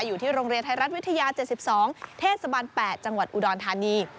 อยู่ที่โรงเรียนไทยรัฐวิทยา๗๒เทศบาล๘จังหวัดอุดรธานี